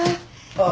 ああ。